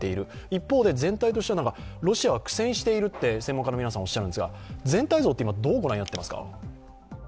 一方で全体としてはロシアは苦戦していると専門家の方はおっしゃいますが、全体像って今、どう御覧になっていますか。